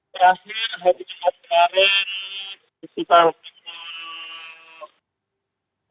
terakhir hari kejadian kemarin